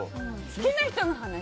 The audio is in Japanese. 好きな人の話。